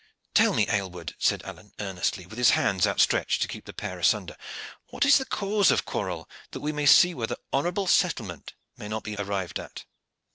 "Tell me, Aylward," said Alleyne earnestly, with his hands outstretched to keep the pair asunder, "what is the cause of quarrel, that we may see whether honorable settlement may not be arrived at?"